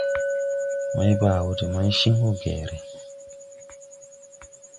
Maybaa wɔ de maychin wo geeré.